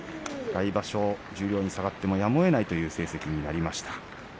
来場所、十両に下がってもやむをえない成績になりました。